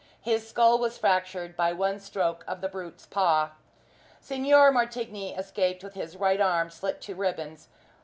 His skull was fractured by one stroke of the brute's paw. Signor Martigny escaped with his right arm slit into ribbons.